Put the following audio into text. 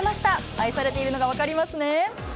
愛されているのが分かりますね。